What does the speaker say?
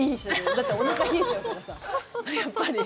だっておなか冷えちゃうからさ。